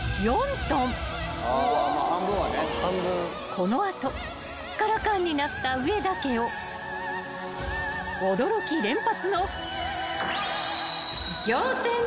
［この後すっからかんになった上田家を驚き連発の］は。